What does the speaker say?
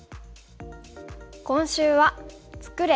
今週は「作れ！